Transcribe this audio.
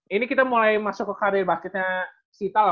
ini kita mulai masuk ke career bucketnya sita lah